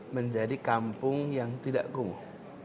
menjadi kampung yang tidak kumuh